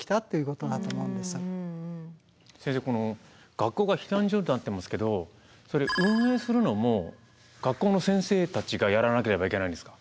学校が避難所になってますけど運営するのも学校の先生たちがやらなければいけないんですか？